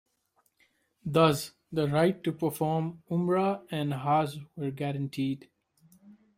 Thus, the right to perform Umrah and Hajj were guaranteed.